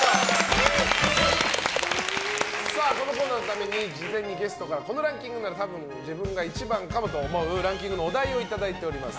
このコーナーのために事前にゲストからこのランキングなら多分自分が１番かもと思うランキングのお題をいただいております。